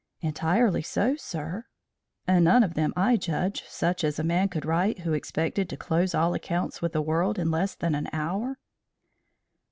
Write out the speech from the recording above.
"Entirely so, sir." "And none of them, I judge, such as a man would write who expected to close all accounts with the world in less than an hour?"